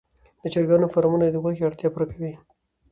د چرګانو فارمونه د غوښې اړتیا پوره کوي.